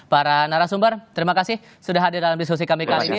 para narasumber terima kasih sudah hadir dalam diskusi kami kali ini